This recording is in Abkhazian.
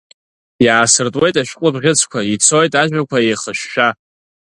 Иаасыртуеит ашәҟәы бӷьыцқәа, ицоит ажәақәа еихышәшәа.